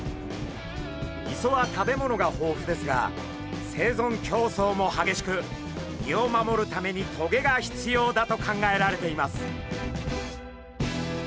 磯は食べ物が豊富ですが生存競争も激しく身を守るために棘が必要だと考えられています。